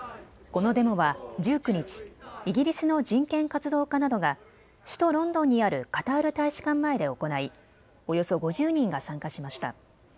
このデモは１９日、イギリスの人権活動家などが首都ロンドンにあるカタール大使館前で行いおよそ５０人が参加しました。